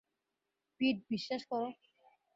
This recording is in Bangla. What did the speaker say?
পিট, বিশ্বাস করো।